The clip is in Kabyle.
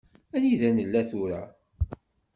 Anida i nella tura?